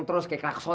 terima kasih ayo